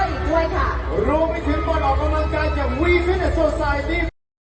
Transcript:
รับข่าวสิบห้าไปและเสร็จไว้ค่ะ